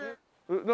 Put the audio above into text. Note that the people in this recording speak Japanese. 何？